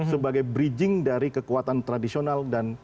sebagai bridging dari kekuatan tradisional dan